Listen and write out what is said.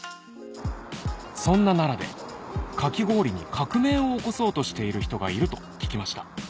そんな奈良でかき氷に革命を起こそうとしている人がいると聞きました